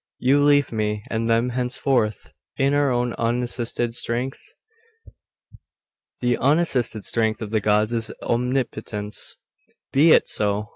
you leave me and them henceforth to our own unassisted strength?' 'The unassisted strength of the gods is omnipotence.' 'Be it so.